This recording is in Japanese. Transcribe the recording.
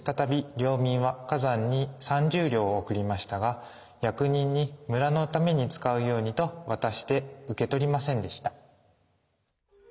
領民は崋山に三十両を贈りましたが役人に「村のために使うように」と渡して受け取りませんでした。